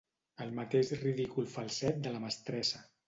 El mateix ridícul falset de la mestressa.